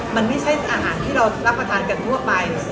มันไม่ใช่อาหารที่เรารับประทานกันทั่วไป